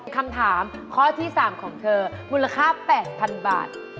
คำถามข้อที่๓ของเธอมูลค่า๘๐๐๐บาท